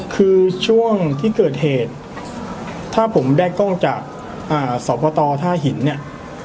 คือช่วงที่เกิดเหตุถ้าผมได้กล้องจากสพตท่าหินเนี่ย